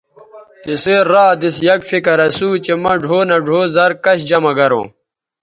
تِسئ را دِس یک فکر اسُو چہء مہ ڙھؤ نہ ڙھؤ زَر کش جمہ گروں